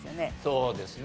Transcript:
そうですね。